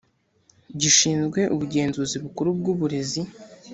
gishinzwe ubugenzuzi bukuru bw uburezi